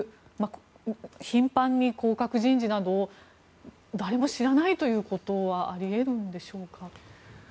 頻繁に降格人事があったことを誰も知らないということはあり得るんでしょうか？